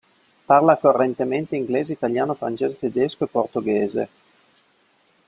Parla correntemente inglese, italiano, francese, tedesco e portoghese.